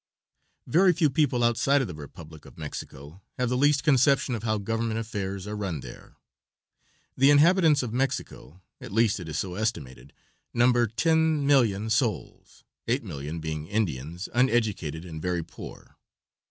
Very few people outside of the Republic of Mexico have the least conception of how government affairs are run there. The inhabitants of Mexico at least it is so estimated number 10,000,000 souls, 8,000,000 being Indians, uneducated and very poor.